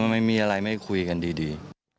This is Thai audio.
ไม่มีอะไรไม่คุยกันดี